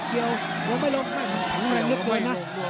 เกียวโมงไม่ลงไม่ลงแทงไม่ลงโมงไม่ลง